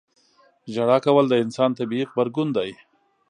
• ژړا کول د انسان طبیعي غبرګون دی.